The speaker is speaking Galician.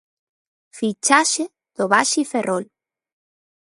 Fichaxe do Baxi Ferrol.